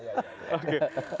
itu adalah apple